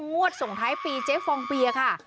งวดส่งท้ายปีเจฟองเบียค่ะ